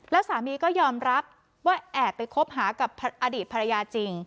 แล้วสามีก็ยอมรับว่าแอบไปคบหากับอดีตภรรยาจริง